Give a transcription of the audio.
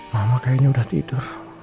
mama kayaknya udah tidur